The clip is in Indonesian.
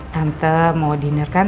tante mau diner kan